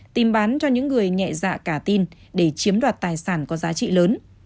tìm bán cho những người nhẹ dạ cả tin để chiếm đoạt tài sản có giá trị lớn